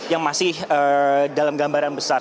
yang masih dalam gambaran besar